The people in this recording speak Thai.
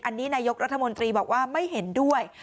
อันนี้นายกรัฐมนตรีบอกว่าไม่เห็นด้วย